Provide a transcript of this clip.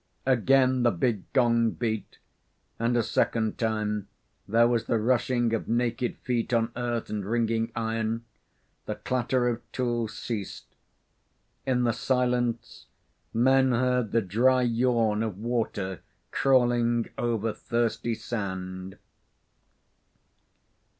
Again the big gong beat, and a second time there was the rushing of naked feet on earth and ringing iron; the clatter of tools ceased. In the silence, men heard the dry yawn of water crawling over thirsty sand.